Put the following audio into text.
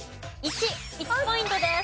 １。１ポイントです。